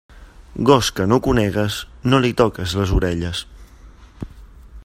Gos que no conegues, no li toques les orelles.